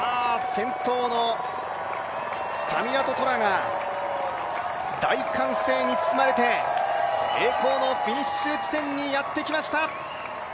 先頭のタミラト・トラが大歓声に包まれて栄光のフィニッシュ地点にやってきました。